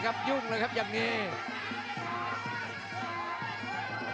มันหยุดเลยครับอย่างงี้